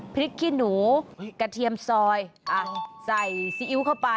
ขี้หนูกระเทียมซอยใส่ซีอิ๊วเข้าไป